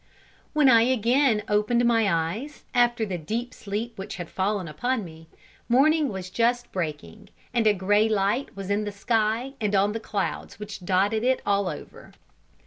When I again opened my eyes after the deep sleep which had fallen upon me, morning was just breaking, and a grey light was in the sky and on the clouds which dotted it all over.